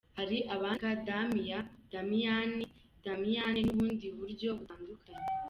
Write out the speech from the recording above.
Hari abandika Damia, Damian, Damiane n’ubundi buryo butandukanye.